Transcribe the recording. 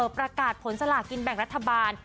ประกาศผลสลากินแบ่งรัฐบาล